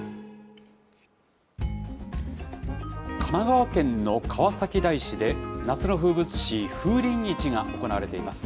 神奈川県の川崎大師で、夏の風物詩、風鈴市が行われています。